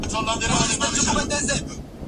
ډیپلوماټان چیرته نوي ډیپلوماټیک اسناد ساتي؟